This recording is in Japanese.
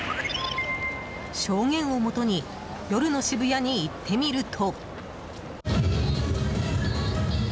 証言をもとに夜の渋谷に行ってみると。